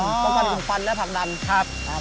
ต้องการอุ่นฟันและผลักดัน